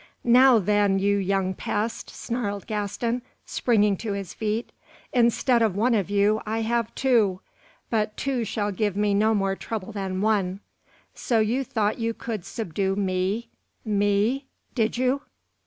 "Now, then, you young pest!" snarled Gaston, springing to his feet. "Instead of one of you, I have two. But two shall give me no more trouble than one. So you thought you could subdue me me, did you?"